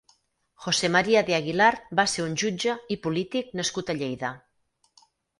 José María de Aguilar va ser un jutge i polític nascut a Lleida.